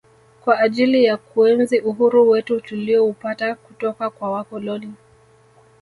kwa ajili ya kuenzi uhuru wetu tulioupata kutoka kwa wakoloni